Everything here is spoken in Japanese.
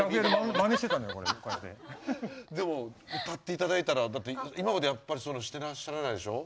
でも歌っていただいたらだって今までやっぱりそういうのしてらっしゃらないでしょ？